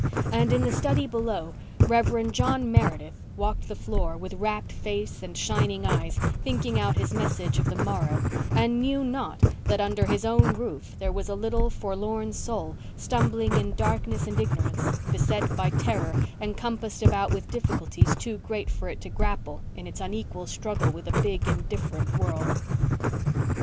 And in the study below Rev. John Meredith walked the floor with rapt face and shining eyes, thinking out his message of the morrow, and knew not that under his own roof there was a little forlorn soul, stumbling in darkness and ignorance, beset by terror and compassed about with difficulties too great for it to grapple in its unequal struggle with a big indifferent world.